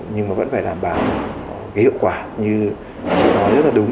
nhưng mà vẫn phải đảm bảo cái hiệu quả như chúng ta nói rất là đúng